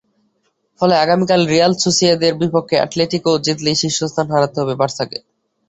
ফলে আগামীকাল রিয়াল সোসিয়েদাদের বিপক্ষে অ্যাটলেটিকো জিতলেই শীর্ষ স্থান হারাতে হবে বার্সাকে।